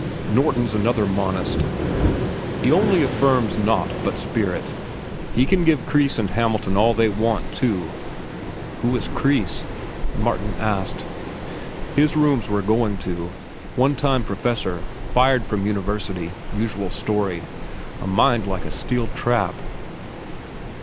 Norton's another monist—only he affirms naught but spirit. He can give Kreis and Hamilton all they want, too." "Who is Kreis?" Martin asked. "His rooms we're going to. One time professor—fired from university—usual story. A mind like a steel trap.